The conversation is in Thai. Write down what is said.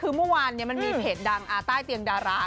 คือเมื่อวานมันมีเพจดังใต้เตียงดารา